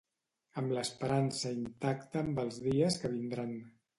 Amb l’esperança intacta amb els dies que vindran.